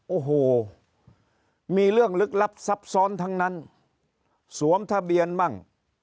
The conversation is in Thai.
โอ้โหมีเรื่องลึกลับซับซ้อนทั้งนั้นสวมทะเบียนมั่ง